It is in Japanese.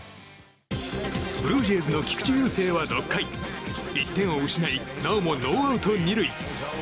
ブルージェイズの菊池雄星は６回１点を失いなおもノーアウト２塁。